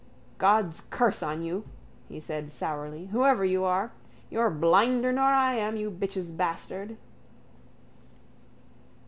—God's curse on you, he said sourly, whoever you are! You're blinder nor I am, you bitch's bastard!